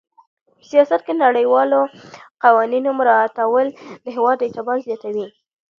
په سیاست کې د نړیوالو قوانینو مراعاتول د هېواد اعتبار زیاتوي.